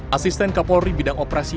asisten kapolri bidang operasi